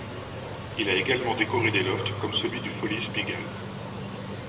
Il a également décoré des lofts, comme celui du Folie’s Pigalle.